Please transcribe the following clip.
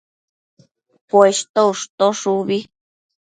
Poshto ushtosh ubi